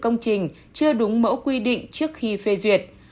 công trình chưa đúng mẫu quy định trước khi phê duyệt